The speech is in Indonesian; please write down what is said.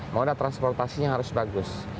moda transportasinya harus bagus